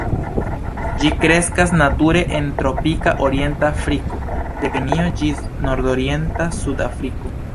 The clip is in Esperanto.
Ĝi kreskas nature en tropika orienta Afriko de Kenjo ĝis nordorienta Sud-Afriko.